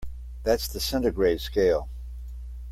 That's the centigrade scale.